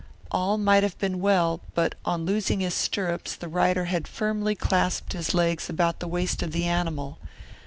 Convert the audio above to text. All might have been well, but on losing his stirrups the rider had firmly clasped his legs about the waist of the animal.